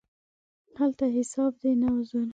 هلته حساب دی، نه عذر.